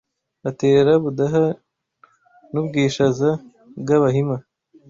atera Budaha n’u Bwishaza bw’Abahima